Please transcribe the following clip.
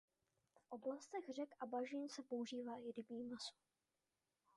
V oblastech řek a bažin se používá i rybí maso.